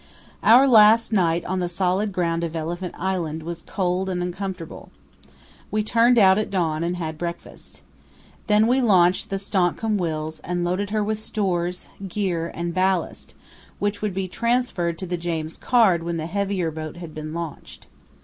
Our last night on the solid ground of Elephant Island was cold and uncomfortable. We turned out at dawn and had breakfast. Then we launched the Stancomb Wills and loaded her with stores, gear, and ballast, which would be transferred to the James Caird when the heavier boat had been launched.